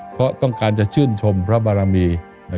เพราะต้องการจะชื่นชมพระบารมี